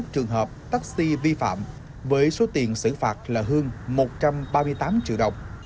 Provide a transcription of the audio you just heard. hai mươi một trường hợp taxi vi phạm với số tiền xử phạt là hơn một trăm ba mươi tám triệu đồng